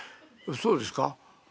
「そうですか？」。